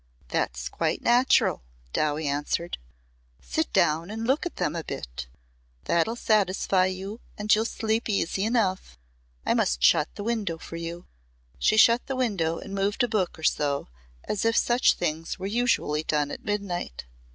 "That's quite natural," Dowie answered. "Sit down and look at them a bit. That'll satisfy you and you'll sleep easy enough. I must shut the window for you." She shut the window and moved a book or so as if such things were usually done at midnight.